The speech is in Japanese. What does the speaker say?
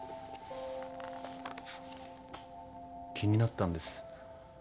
気になったんです。